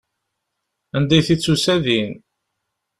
Anda t-id-tusa din.